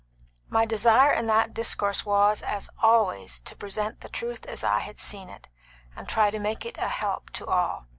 "My desire in that discourse was, as always, to present the truth as I had seen it, and try to make it a help to all.